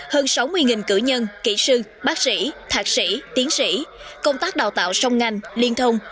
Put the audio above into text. hơn sáu mươi cử nhân kỹ sư bác sĩ thạc sĩ tiến sĩ công tác đào tạo song ngành liên thông